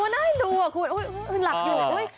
น่าให้ดูอ่ะคุณหลับอยู่